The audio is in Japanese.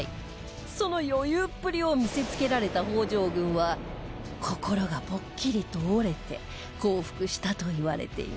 その余裕っぷりを見せ付けられた北条軍は心がぽっきりと折れて降伏したといわれています